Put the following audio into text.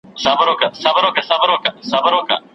سندریز شعرونه هم ولیکل